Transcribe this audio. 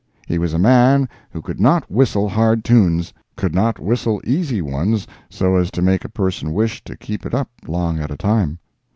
He was a man who could not whistle hard tunes—could not whistle easy ones so as to make a person wish him to keep it up long at a time.